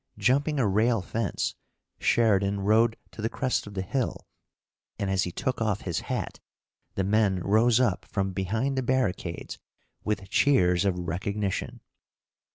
Jumping a rail fence, Sheridan rode to the crest of the hill, and, as he took off his hat, the men rose up from behind the barricades with cheers of recognition.